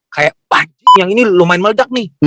kayak pacing yang ini lumayan meledak nih